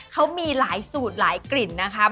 เขามีหลายสูตรหลายกลิ่นนะครับ